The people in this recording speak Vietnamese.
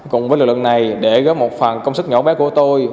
cùng với lực lượng này để góp một phần công sức nhỏ bé của tôi